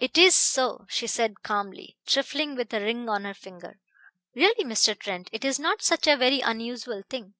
"It is so," she said calmly, trifling with a ring on her finger. "Really, Mr. Trent, it is not such a very unusual thing....